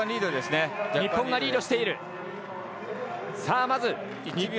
日本がリードしている。